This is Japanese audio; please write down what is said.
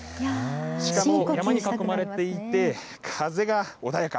しかも山に囲まれていて、風が穏やか。